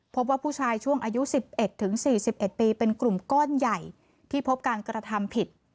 พบว่าผู้ชายช่วงอายุ๑๑๔๑ปีเป็นกลุ่มก้อนใหญ่ที่พบการกระทำผิด